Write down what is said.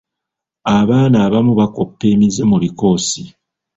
Abaana abamu bakoppa emize mu bikoosi.